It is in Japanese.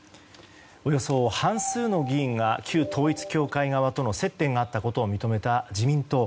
およそ半数の議員が旧統一教会側との接点があったことを認めた自民党。